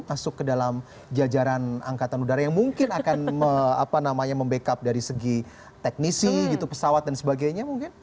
masuk ke dalam jajaran angkatan udara yang mungkin akan membackup dari segi teknisi gitu pesawat dan sebagainya mungkin